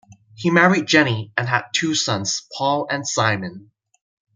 He married Jennie and had two sons, Paul and Simon.